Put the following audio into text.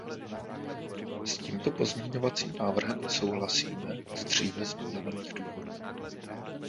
S tímto pozměňovacím návrhem nesouhlasíme z dříve zmiňovaných důvodů.